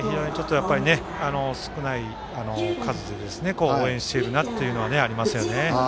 少ない数で応援しているなというのはありますよね。